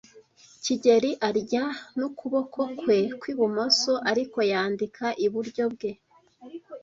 kigeli arya n'ukuboko kwe kw'ibumoso, ariko yandika iburyo bwe.